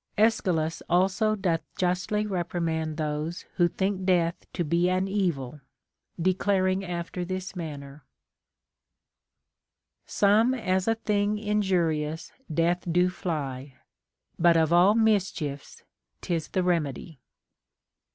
10. Aeschylus also doth justly reprimand those who think death to be an evil, declaring after this manner: — Some as a thing injurious death do fly ; But of all mischiefs 'tis the remedy.